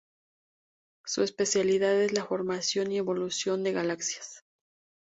Su especialidad es la formación y evolución de galaxias.